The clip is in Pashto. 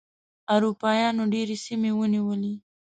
اروپایانو ډېرې سیمې ونیولې.